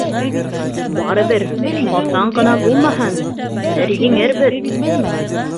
— Барыбер, ҡасан ғына булмаһын, бер еңербеҙ.